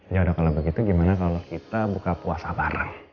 ya udah kalau begitu gimana kalau kita buka puasa bareng